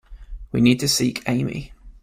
We need to seek Amy.